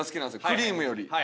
クリームより。